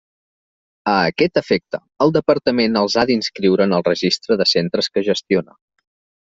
A aquest efecte, el Departament els ha d'inscriure en el registre de centres que gestiona.